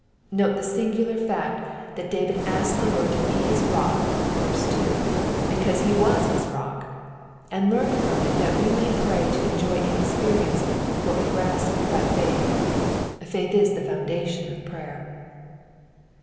Note the singular fact that David askud the Lord to be his rock (verse 3) because he was his rock ; and learn from it that wo may prey to enjoy in experience what wo grasp by faith. Faith is the foundation of prayer.